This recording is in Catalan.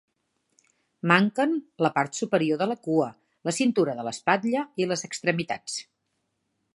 Manquen la part posterior de la cua, la cintura de l'espatlla i les extremitats.